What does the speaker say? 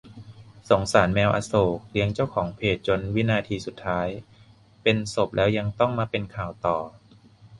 "สงสารแมวอโศก เลี้ยงเจ้าของเพจจนวินาทีสุดท้าย เป็นศพแล้วยังต้องมาเป็นข่าวต่อ"